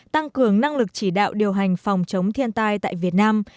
tăng cường năng lực chỉ đạo điều hành phòng chống thiên tai tại việt nam